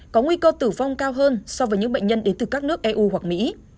có nguy cơ tử vong cao hơn so với những bệnh nhân đến từ các nước eu hoặc mỹ